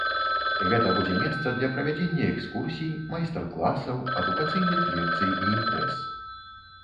Гэта будзе месца для правядзення экскурсій, майстар-класаў, адукацыйных лекцый і імпрэз.